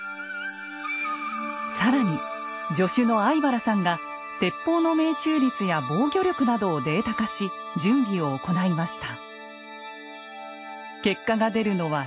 更に助手の粟飯原さんが鉄砲の命中率や防御力などをデータ化し準備を行いました。